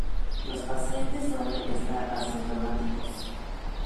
Los pacientes suelen estar asintomáticos.